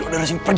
ada resiko pergi